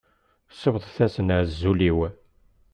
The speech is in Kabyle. Siwḍet-asen azul-iw.